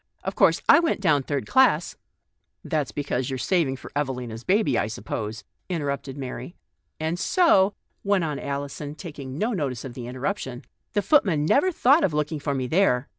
Of course, I went down third class "" That's because you are saving for Eve lina's baby, I suppose," interrupted Mary. "And so," went on Alison, taking no notice of the interruption, " and so the foot ALISON. 67 man never thought of looking for me there.